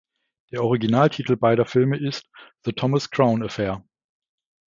Der Originaltitel beider Filme ist "The Thomas Crown Affair".